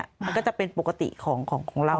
มันก็จะเป็นปกติของเรา